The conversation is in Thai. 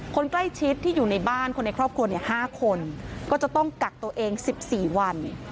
คนใกล้ชิดที่อยู่ในบ้านคนในครอบครัว๕คนก็จะต้องกักตัวเอง๑๔วัน